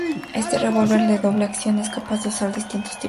Este revólver de doble acción es capaz de usar distintos tipos de cartuchos.